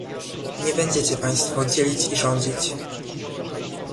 Nie będziecie państwo dzielić i rządzić